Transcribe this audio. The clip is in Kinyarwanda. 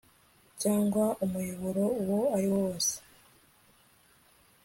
cyangwa umuyoboro uwo ariwo wose